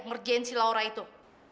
ngerjain si laura itu